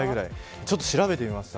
ちょっと調べてみました。